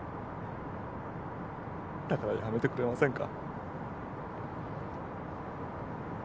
だからやめてくれませんか？